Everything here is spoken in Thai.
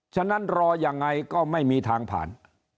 ฉะนั้นรอยังไงก็ไม่มีทางผ่าน